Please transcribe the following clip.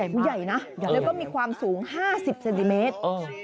ผู้ใหญ่นะแล้วก็มีความสูง๕๐เซนติเมตร